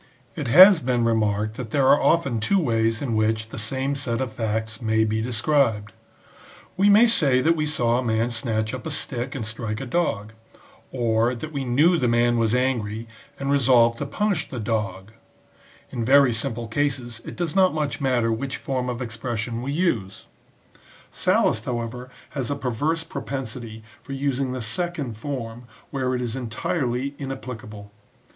It has been remarked that there are often two ways in which the same set of facts may be described :" we may say that we saw a man snatch up a stick and strike a dog ; or, that we knew the man was angry and resolved to punish the dog;" in very simple cases it does not much matter which form of expression we use. Sallust, however, has a perverse propensity for using the second form where it is entirely inapplicable.